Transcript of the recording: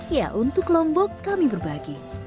ya untuk lombok kami berbagi